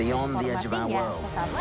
informasinya sesaat lagi